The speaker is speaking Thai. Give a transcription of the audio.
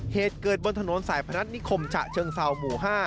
เหตุเกิดบนถนนสายพนัฐนิคมฉะเชิงเซาหมู่๕